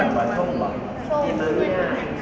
โดดีโดดีโด